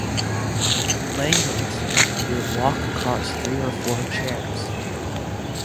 Languorously, he would walk across three or four chairs.